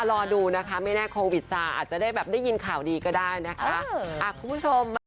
รอดูนะคะไม่แน่โควิดซาอาจจะได้ได้ยินข่าวดีก็ได้นะคะ